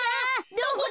どこだ？